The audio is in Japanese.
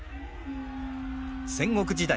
戦国時代。